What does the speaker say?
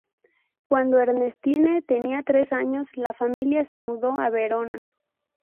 Cuando Ernestine tenía tres años, la familia se mudó a Verona.